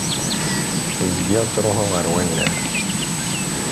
Zgiɣ ttṛuḥuɣ ar wannar.